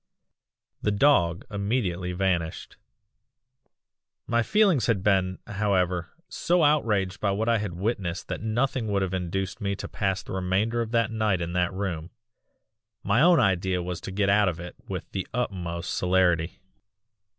"The dog immediately vanished. "My feelings had been, however, so outraged by what I had witnessed that nothing would have induced me to pass the remainder of the night in that room my own idea was to get out of it with the utmost celerity.